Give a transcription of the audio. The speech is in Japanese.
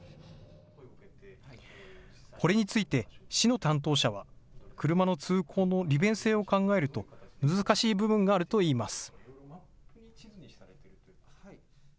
これについて市の担当者は車の通行の利便性を考えると難しい部分があるといいます。